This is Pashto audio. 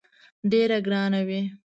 ډېره ګرانه وي.